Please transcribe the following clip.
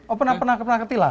oh pernah pernah ketilang